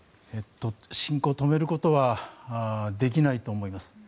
侵攻を止めることはできないと思います。